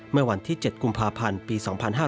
เมื่อวันที่๗กุมภาพันธ์ปี๒๕๕๙